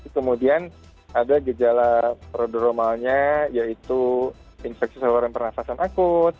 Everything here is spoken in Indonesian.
kemudian ada gejala prodromalnya yaitu infeksi seluruh pernafasan akut